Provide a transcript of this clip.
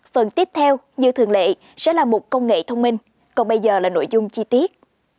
phần tiếp theo như thường lệ sẽ là một công nghệ thông minh còn bây giờ là nội dung chi tiết